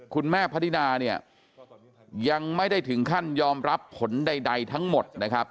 คุณแม่พนิดาเนี่ยยังไม่ได้ถึงขั้นยอมรับผลใดทั้งหมดนะครับ